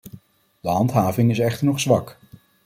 De handhaving is echter nog zwak.